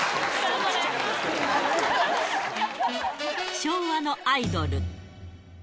昭和のアイドル。